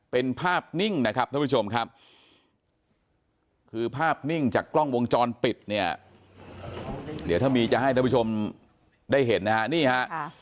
เป็นภาพนิ่งนะครับท่านผู้ชมครับคือภาพนิ่งจากกล้องวงจรปิดเนี่ยเดี๋ยวถ้ามีจะให้ท่านผู้ชมได้เห็นนะฮะนี่ฮะ